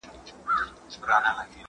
جګړه يوازې ويجاړي راوړي.